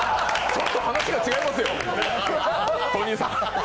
ちょっと話が違いますよ、トニーさん。